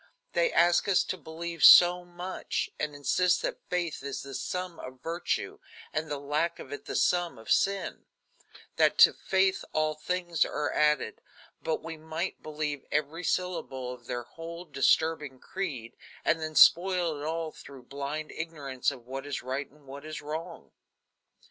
They ask us to believe so much, and insist that faith is the sum of virtue, and the lack of it the sum of sin; that to faith all things are added; but we might believe every syllable of their whole disturbing creed, and then spoil it all through blind ignorance of what is right and what is wrong."